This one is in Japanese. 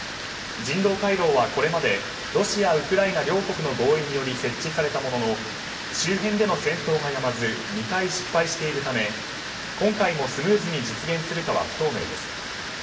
人道回廊はこれまでロシア、ウクライナ両国の合意により設置されたものの周辺での戦闘がやまず２回、失敗しているため今回もスムーズに実現するかは不透明です。